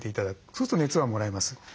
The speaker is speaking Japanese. そうすると熱はもらえます。